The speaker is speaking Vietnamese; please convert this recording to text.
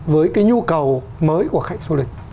với cái nhu cầu mới của khách du lịch